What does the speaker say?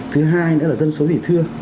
thứ hai nữa là dân số dị thương